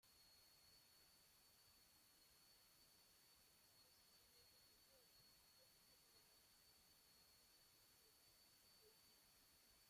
Los instrumentos de cuerda fueron preparados por Takayuki Hattori de Face Music.